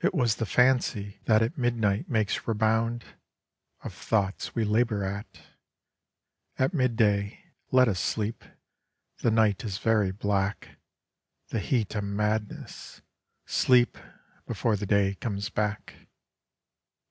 It was the fancy that At midnight makes rebound Of thoughts we labour at At mid day. Let us sleep. The night is very black, The heat a madness—sleep Before the day comes back.